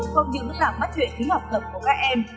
không những là bắt nguyện ký học tập của các em